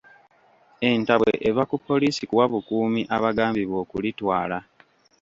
Entabwe eva ku poliisi kuwa bukuumi abagambibwa okulitwala